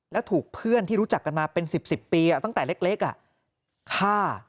แล้วถูกเพื่อนที่รู้จักกันมาเป็น๑๐ปีตั้งแต่เล็กฆ่า